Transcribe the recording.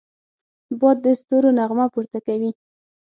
باد د ستورو نغمه پورته کوي